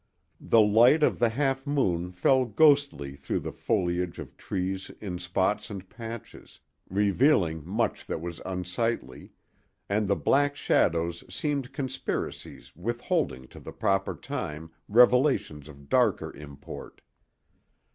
The light of the half moon fell ghostly through the foliage of trees in spots and patches, revealing much that was unsightly, and the black shadows seemed conspiracies withholding to the proper time revelations of darker import.